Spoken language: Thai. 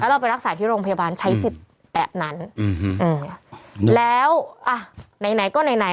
เราไปรักษาที่โรงพยาบาลใช้สิทธิ์แบบนั้นอืมแล้วอ่ะไหนไหนก็ไหนไหน